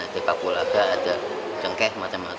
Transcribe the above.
ada paku laga ada jengkeh macam macam